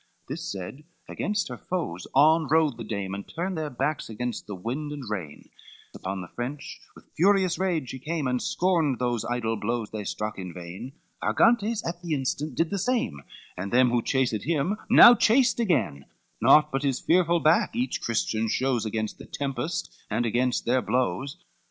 CXIX This said, against her foes on rode the dame, And turned their backs against the wind and rain; Upon the French with furious rage she came, And scorned those idle blows they struck in vain; Argantes at the instant did the same, And them who chased him now chased again, Naught but his fearful back each Christian shows Against the tempest, and against their blows.